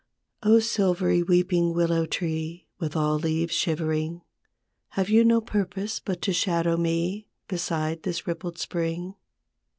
O silvery weeping willow tree With all leaves shivering, Have you no purpose but to shadow me Beside this, rippled spring?